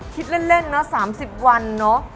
คิดเล่นเนอะ๓๐วันเนอะ